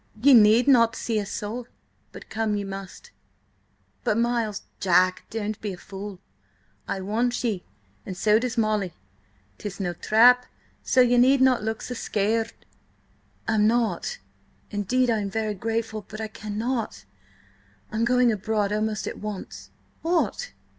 Ye need not see a soul, but come ye must!" "But, Miles—" "Jack, don't be a fool! I want ye, and so does Molly. 'Tis no trap, so ye need not look so scared." "I'm not. Indeed, I am very grateful, but–I cannot. I am going abroad almost at once." "What?"